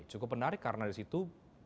cukup menarik karena di situ